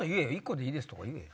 「１個でいいです」とか言え！